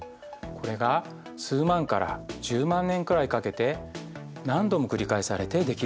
これが数万から１０万年くらいかけて何度も繰り返されてできるんです。